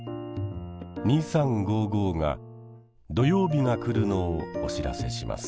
「２３」が土曜日が来るのをお知らせします。